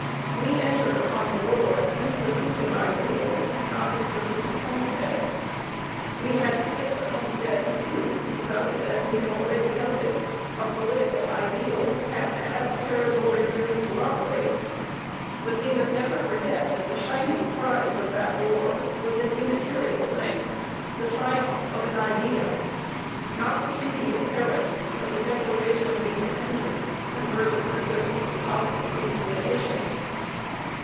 We entered upon the war in pursuit of ideals, not in pursuit of homesteads. We had to take the homesteads, too, because, as we have already noted, a political ideal has to have territory wherein to operate. But we must never forget that the shining prize of that war was an immaterial thing, the triumph of an idea. Not the Treaty of Paris, but the Declaration of Independence, converted the thirteen colonies into a nation.